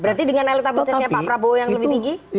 berarti dengan elektabilitasnya pak prabowo yang lebih tinggi